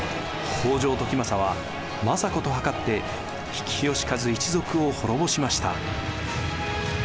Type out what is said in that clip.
北条時政は政子と謀って比企能員一族を滅ぼしました。